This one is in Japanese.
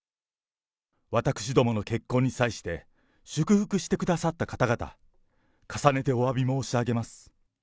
私どもの結婚に際して、祝福してくださった方々、重ねておわび申し上げます。